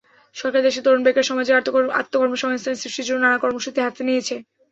সরকার দেশের তরুণ বেকার সমাজের আত্মকর্মসংস্থান সৃষ্টির জন্য নানা কর্মসূচি হাতে নিয়েছে।